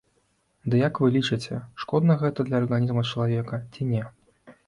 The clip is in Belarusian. Дык як вы лічыце, шкодна гэта для арганізма чалавека ці не?